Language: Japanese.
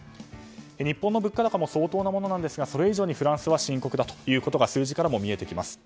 日本の物価高も相当なものですがそれ以上にフランスは深刻だということが数字から見えてきます。